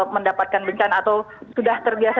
mendapatkan bencana atau sudah terbiasa